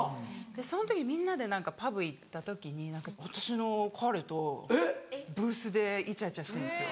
その時みんなでパブ行った時に私の彼とブースでイチャイチャしてんですよ。